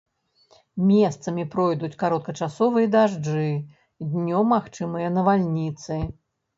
Месцамі пройдуць кароткачасовыя дажджы, днём магчымыя навальніцы.